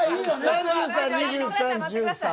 ３３２３１３。